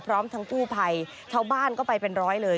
พร้อมทั้งกู้ภัยชาวบ้านก็ไปเป็นร้อยเลย